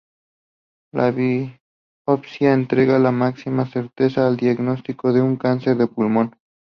La biopsia entrega la máxima certeza al diagnóstico de un cáncer de pulmón.